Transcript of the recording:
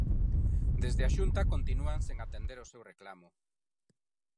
Desde a Xunta continúan sen atender o seu reclamo.